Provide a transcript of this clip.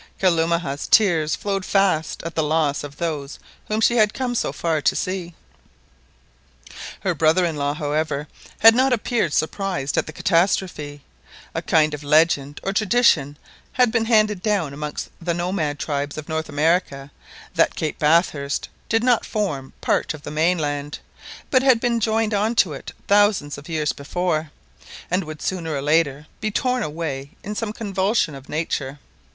Kalumah's tears flowed fast at the loss of those whom she had come so far to see. Her brother in law, however, had not appeared surprised at the catastrophe. A kind of legend or tradition had been handed down amongst the nomad tribes of North America, that Cape Bathurst did not form part of the mainland, but had been joined on to it thousands of years before, and would sooner or later be torn away in some convulsion of nature.